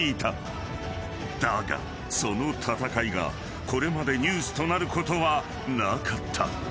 ［だがその闘いがこれまでニュースとなることはなかった］